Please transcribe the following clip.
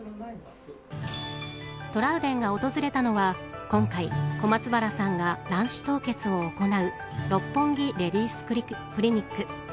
トラウデンが訪れたのは今回小松原さんが卵子凍結を行う六本木レディースクリニック。